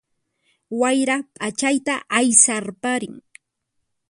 Wayra ph'achayta aysarparin